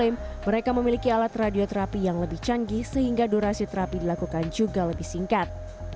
mereka memiliki alat radioterapi yang lebih canggih sehingga durasi terapi dilakukan juga lebih singkat